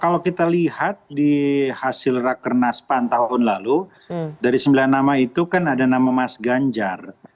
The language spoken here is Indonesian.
kalau kita lihat di hasil rakernas pan tahun lalu dari sembilan nama itu kan ada nama mas ganjar